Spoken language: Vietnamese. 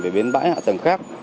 về bến bãi hạ tầng khác